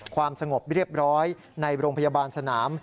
ความสงบเรียบร้อยในโรงพยาบาลสนาม